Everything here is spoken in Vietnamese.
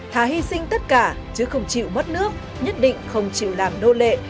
thà hy sinh tất cả chứ không chịu mất nước nhất định không chịu làm đô lệ